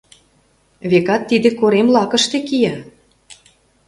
— Векат, тиде корем лакыште кия.